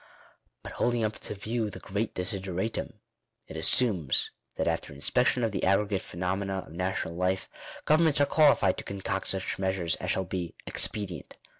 But, holding up to view the great desideratum, it assumes that after an inspection of the aggregate phenomena of national life, governments are qualified to concoct such measures as shall be "expedient."